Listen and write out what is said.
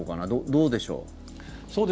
どうでしょう？